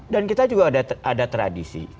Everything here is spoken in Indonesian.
dan kita juga ada tradisi